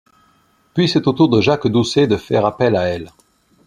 Puis c'est au tour de Jacques Doucet de faire appel à elle.